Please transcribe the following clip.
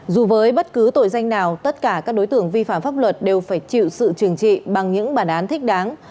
dù với bất cứ tội danh nào tất cả các đối tượng vi phạm pháp luật đều phải chịu sự trừng trị bằng những bản án thích đáng